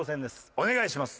お願いします。